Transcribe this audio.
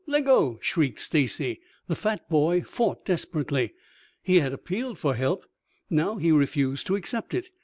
Leggo!" shrieked Stacy. The fat boy fought desperately. He had appealed for help; now he refused to accept it.